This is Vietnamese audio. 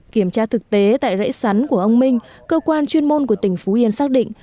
kiểm tra thực tế tại rễ sắn của ông minh cơ quan chuyên môn của tỉnh phú yên xác định